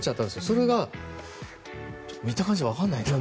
それが見た感じ分からないですね。